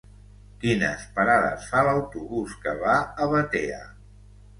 Quines parades fa l'autobús que va a Batea?